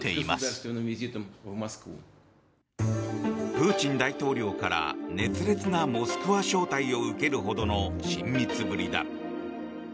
プーチン大統領から熱烈なモスクワ招待を受けるほどの親密ぶりだ。